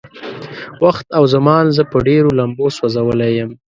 وخت او زمان زه په ډېرو لمبو سوځولی يم.